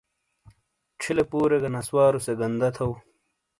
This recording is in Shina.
چھیلے پورے گہ نسوارو سے گندا تھو۔